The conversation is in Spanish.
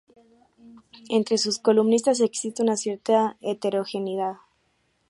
Entre sus columnistas existe una cierta heterogeneidad.